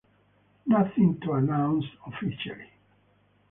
Nothing to announce officially.